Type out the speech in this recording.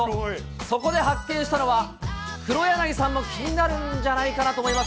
そこで発見したのは黒柳さんも気になるんじゃないかなと思います。